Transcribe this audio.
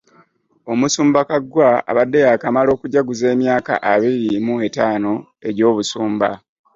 Omusumba Kaggwa abadde yaakamala okujaguza emyaka abiri mu etaano egy'obusumba